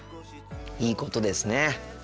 いいことですね。